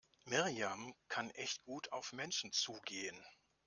Miriam kann echt gut auf Menschen zugehen.